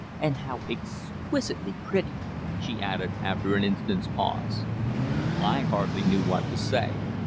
"And how exquisitely pretty," she added after an instant's pause. I hardly knew what to say.